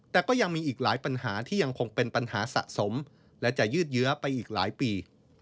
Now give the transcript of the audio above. แต่ก็ยังมีอีกหลายปัญหาที่ยังคงเป็นปัญหาสะสมและจะยืดเยื้อไปอีกหลายปี